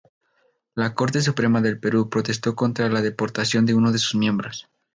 La Corte Suprema del Perú protestó contra la deportación de uno de sus miembros.